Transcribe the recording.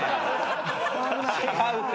違うって。